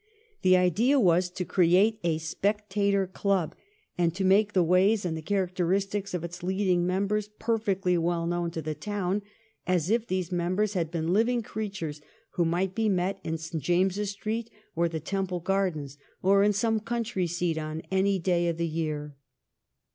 The idea was to create a ' Spectator ' Club, and to make the ways and the characteristics of its leading members perfectly well known to the town, as if these members had been living creatures who might be met in St. Jameses Street or in the Temple Gardens, or at some country seat on any day of the year.